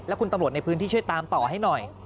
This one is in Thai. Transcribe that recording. คุณตำรวจในพื้นที่ช่วยตามต่อให้หน่อย